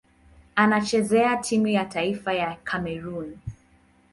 Anachezea timu ya taifa ya Kamerun.